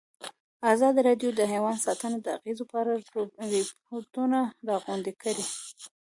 ازادي راډیو د حیوان ساتنه د اغېزو په اړه ریپوټونه راغونډ کړي.